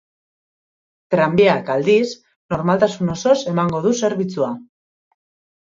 Tranbiak, aldiz, normaltasun osoz emango du zerbitzua.